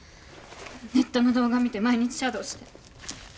ネットの動画見て毎日シャドーして。